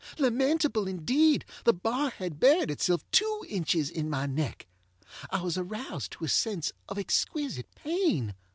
Lamentable indeed! The bar had buried itself two inches in my neck. I was aroused to a sense of exquisite pain.